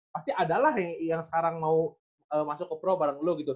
pasti adalah yang sekarang mau masuk ke pro bareng dulu gitu